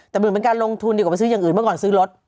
แต่เหมือนเป็นการลงทุนดีกว่าไปซื้ออย่างอื่นเมื่อก่อนซื้อรถ